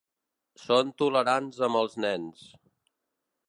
Són tolerants amb els nens.